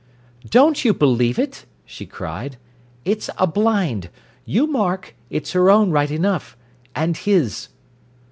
"Don't you believe it," she cried. "It's a blind. You mark, it's her own right enough and his."